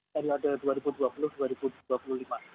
periode dua ribu dua puluh dua ribu dua puluh lima